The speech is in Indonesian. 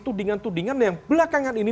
tudingan tudingan yang belakangan ini